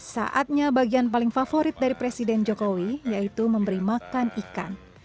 saatnya bagian paling favorit dari presiden jokowi yaitu memberi makan ikan